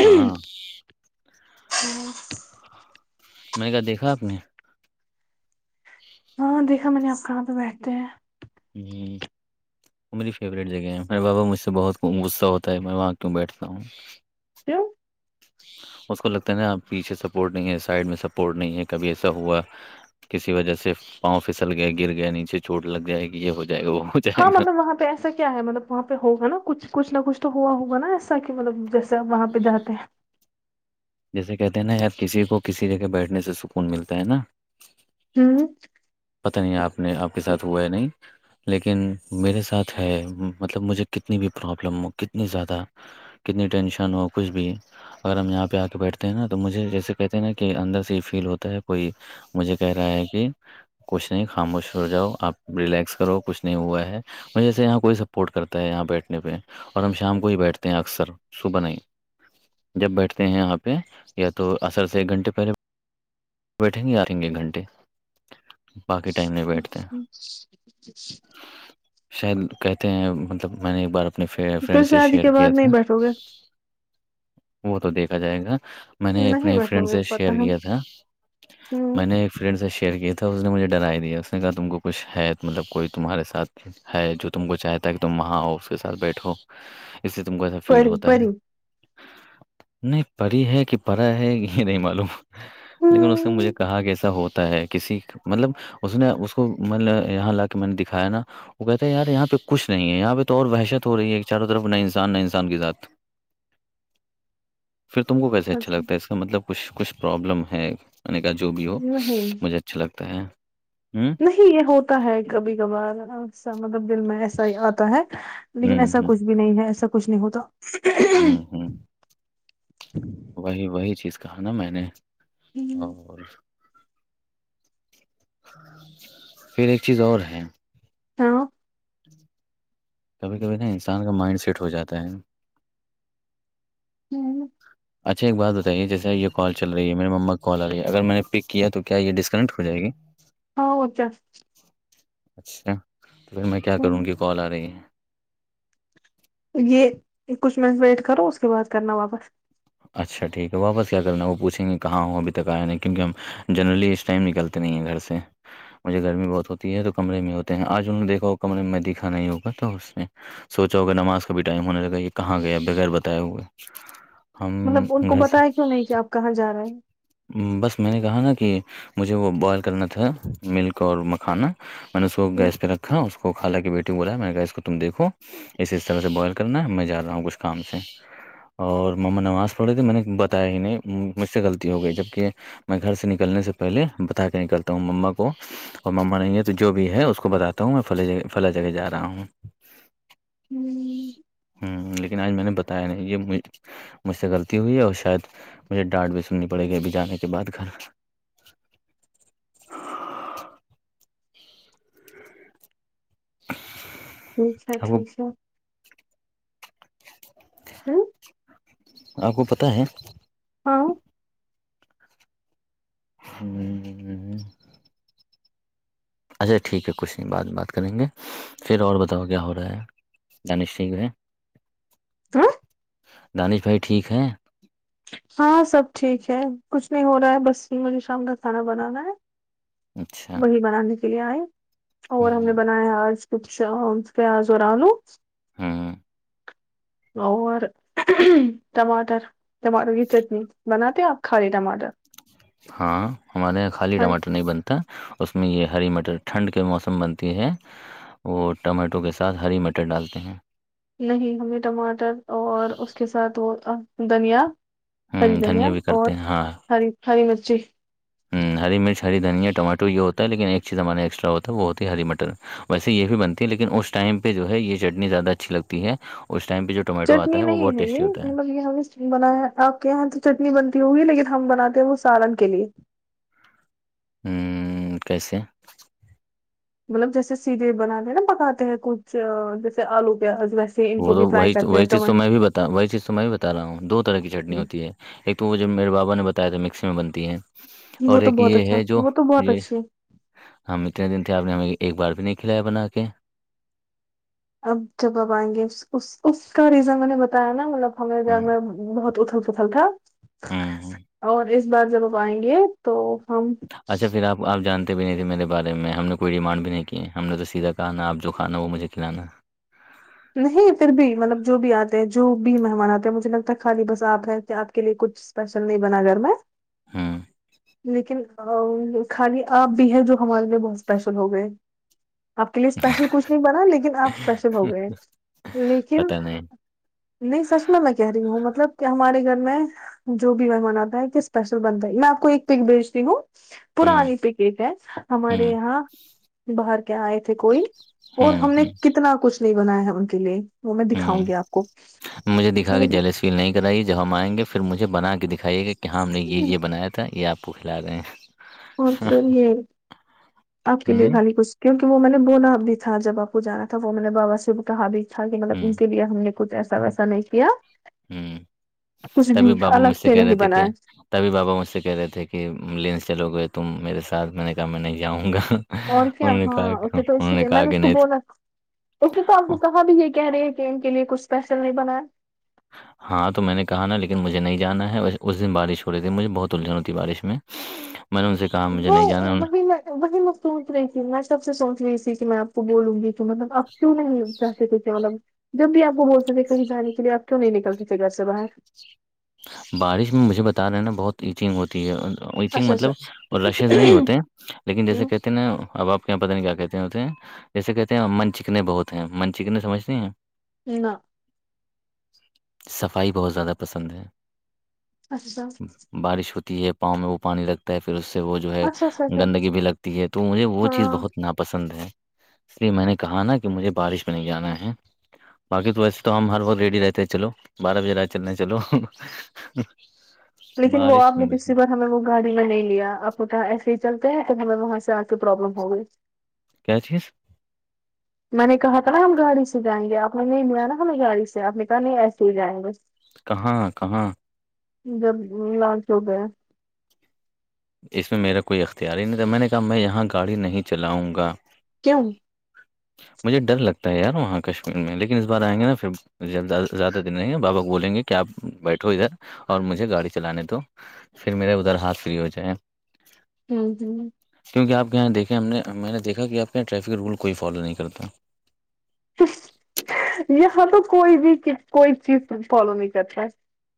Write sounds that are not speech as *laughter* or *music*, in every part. ہاں *unintelligible* ہوں *unintelligible* میںگا دیکھا آپ نے ہاں دیکھا میں نے آپ کہاں پہ بیٹھتے ہیں *unintelligible* ہ *inaudible* وہ میری فیوریٹ جگہ ہے میرے بابا مجھ سے بہت غصہ ہوتا ہے میں وہاں کیوں بیٹھتا ہوں *unintelligible* کیوں اس کو لگتا ہے نا آپ پیچھے سپورٹ نہیں ہے سائڈ میں سپورٹ نہیں ہے کبھی ایسا ہوا کسی وجہ سے پاؤں پھسل گیا گر گیا نیچے چوٹ لگ جائے گی یہ ہو جائے گا وہ *unintelligible* ہاں مطلب وہاںہ ایسا کیا کیا ہے مطلب وہاں پہ ہوگا نا کچھچھ نہ کچھ تو ہوا ہوگا نا ایسا کہ مطلب جیسے آپ وہاں پہ جاتے ہیں *unintelligible* جیسے کہتے ہیں نا یار کسی کو کسی جگہ بیٹھنے سے سکون ملتا ہے نا ہوں *inaudible* پتا نہیں آپ نے آپ کے ساتھ ہوا ہے نہیں *unintelligible* لیکن میرے ساتھ ہے مطلب مجھے کتنی بھی پرابلم کتنی زیادہ کتنی ٹینشن ہو کچھ بھی اگر ہم یہاں پہ آ کے بیٹھتے ہیں نا تو مجھے جیسے کہتے ہیں نا کہ اندر سے یہ فیل ہوتا ہے کوئی مجھے کہہ رہا ہے کہ کچھ نہیں خاموش ہو جاؤ آپ ریلیکس کرو کچھ نہیں ہوا ہے میں جیسے یہاں کوئی سپورٹ کرتا ہے یہاں بیٹھنے پہ اور ہم شام کو ہی بیٹھتے ہیں اکثر صبح نہیں ہی جب بیٹھتے ہیں یہاں پہ یا تو اصر سے ایک گھنٹے پہلے *unintelligible* بیٹھیں گ آیں گ ایک گھنٹے باقی ٹائم نہیں بیٹھتے ہیں شاید کہتے ہیں مطلب میں نے ایک بار اپنے اس پھر فرینڈ سے شادی شیئر کے کیا بعد تھا نہیں بیٹھو گے وہ تو دیکھا جائے گا میں نے نہیں اپنے بیٹھو فرینڈ گے سے پتا شیئر ہم کیا تھا ہوں میں نے ایک فرینڈ سے شیئر کیا تھا تھا اس نے مجھے ڈرائی دیا اس نےام کو کچھ حط مطلب کوئی تمہارے ساتھ ہے جو تم کو چاہتا ہے کہ تم وہاں آ اس کے ساتھ بیٹھو اس سے تم کو ایسا فیل پری ہوتا ہے پری نہیں پڑھی ہے کہ پڑھا ہے یہ نہیں معلوم لیکن اس نے مجھے ہوں کہا کیسا ہوتا ہے کسی مطلب اس نے اس کو میں نے یہاں لا کے میں نے دکھایا نا وہ کہتے ہیں یار یہاں پہ کچھ نہیں ہے یہاں پہ تو اور وحشت ہو رہی ہے ایک چاروں طرف نہ انسان نہ انسان کے ساتھ *unintelligible* پھر تم کو کیسے سچ اچھا لگتا ہے اس کا مطلب کچھ کچھ پرابلم ہے کا جو بھی ہو نہیں مجھے اچھا لگتا ہے ہ نہیں یہ ہوتا ہے کبھی کبھارا مطلب دل میں ایسا ہی آتا ہے لیکن ہوں ایسا ہوں کچھ بھی نہیں ہے ایسا کچھ نہیں ہوتا ہوں ہوں وہی وہی چیز کہا نا میں نے ہ اور پھر ایک چیز اور ہے ہ کبھی کبھی نا انسان کا مائنڈ سیٹ ہو جاتا ہے ہوں اچھا ایک بات بتائیے جیسے یہ کال چل رہی ہے مے مما کال آ رہی ہے اگر میں نے پک کیا تو کیا یہ ڈسکنیکٹ ہو جائے گی ہ جس اچھا تو پھر میں کیا کروں گی کال آ رہی ہے یہ کچھ منٹ ویٹ کرو اس کے بعد کرنا واپس اچھا ٹھیک ہے واپس کیا کرنا ہے وہ پوچھیں گے کہاں ہوں ابھی تک آیا نہیں کیونکہ ہم جنرلی اس ٹائم نکلتے اتنی ہے گھر سے مجھے گرمی بہت ہوتی ہے تو کمرے میں ہوتے ہیں آج انہوں نے دیکھا ہو کمرے میں دیککھا نہیں ہوگا تو اس میں سوچا ہوگے نماز کا بھی ٹائم ہونے لگا یہ کہاں گیا بغیر بتائے ہوئے ہم مطلب ان کو گھر سے بتایا کیوں نہیں کہ آپ کہاں جا رہے ہیں بس میں نے کہا نا کہ مجھے وہ بوائل کرنا تھا ملک اور مکھانا میں نے اس کو گیسہ رکھا اس کو کھا کے بیٹھا ٹیو ب رہا ہے میں نے کہا اس کو تم دیکھو اس اس طرح سے بوائل کرنا ہے میں جا رہا ہوں کچھ کام سے اور ما نماز پڑھ رہے تے میں نے بتایا ہی نہیں مجھ سے غلطی ہو گئی جبکہ میں گھر سے نکلنے سے پہلے بتا کے نکلتا ہوں مما کو اور ما نہیں یہ ہے تو جو بھی ہے اس کو بتاتا ہوں میں ج فلاں جگہ جا رہا ہوں *unintelligible* *unintelligible* ہ لیکن آج میں نے بتایا نہیں یہ مجھ سے غلطی ہوئی ہے اور شاید مجھے ڈانٹ بھی نی پڑے گی ب جانے کے بع گھر *unintelligible* ٹھیک ہے آپ کو ٹھیک ہے ہوں آپ کو پتہ ہے ہاں ہ ہ اچھا ٹھیک ہے کچھ نہیں بات بات کریں گے پھر اور بتاؤ کیا ہو رہا ہے د نشٹیک ہے تو دانش بھائی ٹھیک ہیں ہاں سب ٹھیک ہے کچھ نہیں ہو رہا ہے بس بجھے شام کا کھانا بنانا ہے اچھا وہی بنانے کے لیے آئے اور ہم نے ہوں ب آج کھ کیا آز ہو رانو ہاں ہاں اور ٹماٹر ٹماٹر کی چٹنی بناتے آپ خالی ٹماٹر ہاں ہمارے یہاں خالی ٹماٹر نہیں بنتے تھا اس میں یہ ہری مٹر ٹھنڈ کے موسم بنتی ہے وہ ٹمیٹو کے ساتھ ہری مٹر ڈالتے ہیں نہیں ہمیں ٹماٹر اور اس کے ساتھ وہ دھنیا ہری ہوں دنیا دھنیا بھی اور کرتے ہیں ہاں ہری ہری مرچی ہری مرچ ہری دھنیا ٹماٹو یہ ہوتا ہے لیکن ایک چیز ہمارا ایکسٹا ہو ہے وہ ہوتی ہے ہری مٹر ویسے یہ بھی بنتی ہے لیکن اس ٹائم پہ جو ہے یہ چٹنی زیادہ اچھی لگتی ہے اس ٹائم پہ جو ٹمیٹو آتا چٹنی وہ نہیں بہت ہے ٹیسٹی ہوتا یہ یہ ہم بنا ہے آپ کے یہاں تو چٹنی بنتی ہوگی لیکن ہم بناتے ہیں وہ سالن کے لیے کیسے *unintelligible* مطلب جیسے سیدھے بنانے نا پکاتے ہیں کچھ جیسے آلو پیاز ویسے ان وہ کو تو بھی وہ فرائی کرتے ہیں وہی چیز تو ٹماٹر میں بھی بتا وہی چیز تو میں بھی بتا رہا ہوں دو طرح کی چٹنی ہوتی ہے ایک تو وہ جب میرے بابا نے بتایا تھا مکسی میں بنتی ہے اور وہ تو ایک بہت یہ اچھا ہے جو وہ تو بہت یہ اچھی ہے ہم اتنے دن تھے آپ نے ہمیں ایک بار بھی نہیں کھلایا بنا کے اب جب اب آئیں گے اس کا ریزن میں نے بتایا نا مطلب ہم ہ ج بہت اتھل پتھل تھا ہ اور اس بار جب ہم آئیں گے تو ہم اچھا پھر آپ آپ جانتے بھی نہیں تھے میرے بارے میں ہم نے کوئی ڈیمانڈ بھی نہیں کیے ہم نے تو سیدھا کہا نا آپ جو کھانا وہ مجھے کھلانا نہیں پھر بھی مطلب جو بھی آتے ہیں جو بھی مہمان آتے ہیں مجھے لگتا ہے خالی بس آپ ہیں آپ کے لیے کچھ اسپیشل نہیں بنا گھر میں ہ لیکن اور خالی آپ بھی ہے جو ہمارے لیے بہت اسپیشل ہو گئے آپ کے لیے اسپیشل کچھ نہیں بنا لیکن آپ اسپیشل ہو گئے لیکن پتہ نہیں نہیں سچ میں میں کہہ رہی ہوں مطلب کہ ہمارے گھر میں جو بھی ممناتا ہے کہ اسپیشل بنتا ہے میں آ کو ایک پک بھیجتی ہوں ہ پرانی پیکج ہے ہمارے ہ یہاں باہر کیااں آئے تھے کوئی اور ہم نے ہ کتنا کچھ نہیں بنایا ہے ان کے لیے وہ میں ہ دکھاؤں گی آپ کوے اپیل نہیں کرائیے جب ہم آئیں گے پھر مجھے بنا کے دکھائیے گا کہ ہم نے یہ بنایا تھا یہ آپ پوکھھلا دیں اور پھر یہ آپ کے لیے ہ کھی کچھ کیونکہ وہ میں نے بولا بھی تھا جب آپ کو جانا تھا وہ میں نے بابا سےب کہا بھی تھا کہ مطلب ہ ان کے لیے ہم نے کچھ ایسا ویسا نہیں کیا ہوں کچھ بھی تبھی بابو مجھ الگ سے کہہ رہے نہیں تھے کہ بنایا تبھی بابا مجھ سے کہہ رہے تھے کہ لینس چلو گے تم میرے ساتھ میں نے کہا میں نہیں جاؤں گا اور کیا انہوں نے ہاں کہا ا کہ تو اسی انہوں لیے میں کہا نے اس کہ کو نہیں تو- بولا ڈاکٹر صاحپ کو کہاں بھی یہ کہہ رہے ہیں کہ ان کے لیے کچھ اسپیشل نہیں بنا ہے ہاں تو میں نے کہا نا لیکن مجھے نہیں جانا ہے اس دن بارش ہو رہی تھی مجھے بہت الجھن ہوتیھی بارش میں من سے کہا مجھے وہ نہیں جانا وہی انہوں- میں وہی میں سوچ رہی تھی میں سب سے سوچ رہی تھی کہ میںپ بولوں گی تو مطلب اب کیوں نہیں تھے مطلب جب بھی آپ کو بول ستے تھ کہیں جانے کے لیے آپ کیوں نہیں نکلتی تھے گھر سے باہر بارش میں مجھے بتا رہے ہیں نا بہت ایتنگ ہوتی ہے نگ اچھا اچھا مطلب اور رشز نہیں ہوتے لیکن جیسے کہ اب آپ کے یہاں پت نہیں کیا کہتے ہوتے ہیں جیسے کہتے ہیں من چکنے بہت ہیں من چکنے سمجھتی ہیں نہ نہ صفائی بہت زیادہ پسند ہے اچھا اچھا بارش ہوتی ہے پاؤں میں وہ پانی لگ پھر اس سے وہ جو ہے اچھا اچھا گندگی بھی لگتی ہے تو مجھے وہ چیز ہاں بہت ناپ پسند ہے اس لیے میں نے کہا نا کہ مجھے بارش پہ نہیں جانا ہے باقی تو ویسے تو ہم ہر وقگ ریڈی رہتے چلو بارہ بجے رات چلنے چلو *inaudible* لیکن وہ آپ بارش نے میں پچھلی مجھے- بار ہمیں وہ گاڑی میں نہیں لیا اب پت ایسے ہی چلتے ہیں تب ہمیں وہاں سے آ کے پروبلم ہو گئی کیا چیز میں نے کہا تھا نا ہم گاڑی سے جائیں گے آپ نے نہیں ملا نا ہمیں گاڑی سے آپ نے کہا نہیں ایسے ہی جائیں گ بس کہاں کہاں جب لال چوک ہے اس میں میرا کوئی اختیار ہی نہیں تھا میں نے کہا میں یہاں گاڑی نہیں چلاؤں گا کیوں مجھے ڈر لگتا ہے یار وہاں کشمیر میں لیکن اس بار آئیں گے ن پھر ب زیادہ دن نہیں ہے بابا بولیں گے کہ آپ بیٹھو ادھر اور مجھے گاڑی چلانے دو پھر میرے ادھر ہاتھ فری ہو جائےیں ہمم ہمم کیونک آپ کے یہاں دیکھیں ہم نے میں نے دیکھا کہ آپ کے یہاں ٹریفک رول کوئی فالو نہیں کرتا یہاں تو کوئی بھی کوئی چیز فالو نہیں کرتا ہے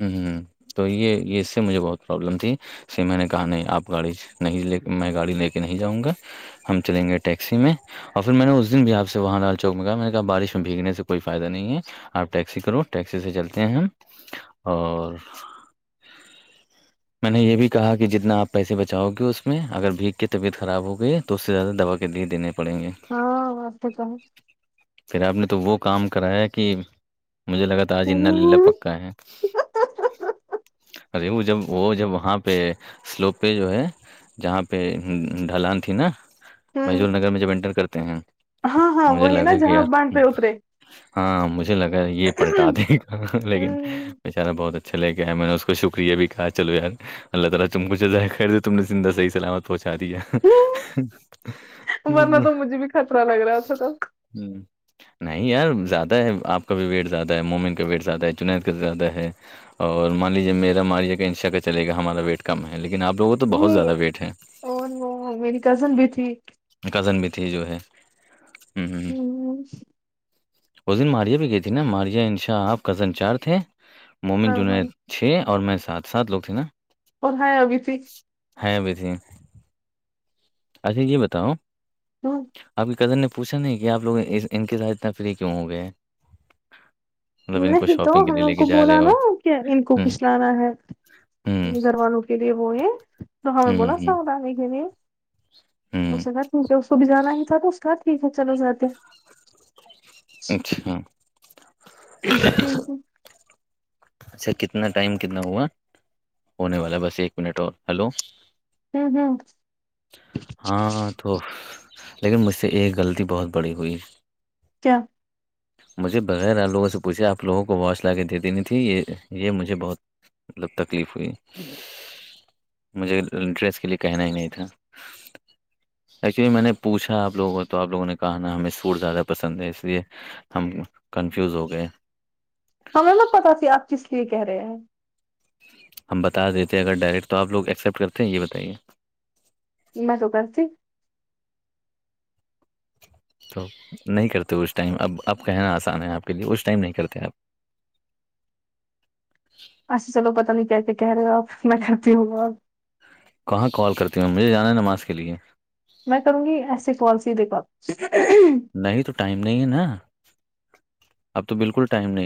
ہمم ہمم تو یہ اس سے مجھے بہت پرابلم تھی سے میں نے کہا نہیں آپ گاڑی نہیں لے میں گاڑی لے کے نہیں جاؤں گا ہم چلیں گے ٹیکسی میں اور پھر میں نے اس دن بھی آپ سے وہاں لال چوک میں گیا میں نے کہا بارش میں بھیگنے سے کوئی فائدہ نہیں ہے آپ ٹیکسی کرو ٹیکسی سے چلتے ہیں ہم اور *inaudible* میں نے یہ بھی کہا کہ جتنا آپ پیسے بچاؤ گے اس میں اگر بھیگ کے طبیعت خراب ہو گئی تو اس سے زیادہ دوا کے لیے دینے پڑیں گے ہاں بات تو ہے پھر آپ نے تو وہ کام کرا ہے کہ مجھے لگا تھا آج اننا للا ہوں پکا ہے ارے وہ جب وہ جب وہاں پہ سلوپ پہ جو ہے جہاں پہ ڈھلان تھی نا محزور نگر میں جب انٹر کرتے ہیں ہاں ہاں مجھے وہی نا لگا کہ جہاں یار بانڈ پہ اترے ہاں مجھے لگا ہے یہ پلٹا دے لیکن ہوں بیچارہ بہت اچھا لےیا ہے میں نے اسس کو شکریہ بھی کہ چو یار اللہ تعالی تم کو جزائے خیر دے تم نے زندہ صیح سلام پہنچا دیا ہوں، ہمم ورنا تو مجھے بھی خطر لگ رہا ہے اس تو ہ نہیں یار زیادہ ہے آپ کا بھی ویٹ زیادہ ہے مومنگ کا ویٹ زیادہ ہے چنید کا زیادہ ہے اور مان لیجیے میرا ماریے گا انشا کا چلے گا ہمارا ویٹ کم ہے لیکن آپ لوگوں تو ج بہت زیادہ ویٹ ہے ا وہ میری کزن بھی تھی کزن بھی تھی جو ہے ہمم ہمم ہوں وزن ماریا بھی گئی تھی نا ماریا انشا آپ کزن چار تھے مومن ہاں ہاں جنید چھ اور میں سات سات لوگ تھے نا اورھیا ہے ابھی تھی ہیاں بھی تھی اچھا جی بتاؤ ہمم آپ کی کزن نے پوچھا نہیں کہ آپ لوگ ان کے ساتھ اتنا فری کیوں ہو گئے ہیں نہیں تو شاپنگ کے ہم لیے لے ان کے کو جا رہے بولا ہو نا کہ ان کو ہوں کچھ لانا ہے ہوں گھر والانوں کے لیے وہ ہے تو ہمیں ہوں بولا ہوں ساتھ آنے کے ہوں اسے کہ کیونکہ اس کو بھی جانا ہی تھا تو اس کہ ٹھیک ہے چلو جاتے اچھا *unintelligible* اچھا کتنا ٹائم کتنا ہوا ہونے والا بس ایک منٹ اور ہلو ہوں ہوں ہاں تو لیکن مجھ سے ایک غلطی بہت بڑی ہوئی کیا مجھے بغیر آ لوگوں سےوچھے آپ لوگوں کو واش لا کے دےینی تھی یہ یہ مجھے بہت مطلب تکلیف ہوئی مجھے ڈریس کے لے کہنا ہی نہیں تھا ایکچولی میں نے پوھا آ لوگوں کو تو آپوگوں نے کہ نا ہمیں فوڈ زیادہ پسند ہے اس لیے ہم کنفیوز ہو گئے ہمیں نہا پتا س آپ کس لیے کہہ رہے ہیں ہم بتا دیتے ہیں اگر ڈائریکٹ تو آپ لوگ ایکسیپٹ کرتے ہیں یہ بتائیے میں تو کرسی تو نہیں کرتے اس ٹائم اب اب کہنا آسان ہے آپ کے لیے اس ٹائم نہیں کرتے آپ اھا چلو پتا نہیں کہتے کہہ رہے ہو آپ میں کرتی ہوںاپ کہاں کال کرتی ہوں مجھے جانا ہے نماز کے لیے میں کروں گی ایسے پالسی د بد نہیں تو ٹائم نہیں ہے نا اب تو بالکل ٹائم نہیں